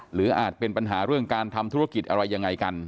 อาจเป็นปัญหาเรื่องการทำธุรกิจอะไรยังไงกัน